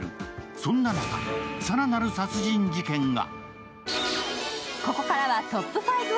そんな中、更なる殺人事件が。